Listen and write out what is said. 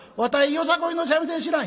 よさこいの三味線知らん」。